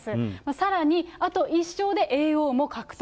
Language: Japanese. さらに、あと１勝で叡王も獲得。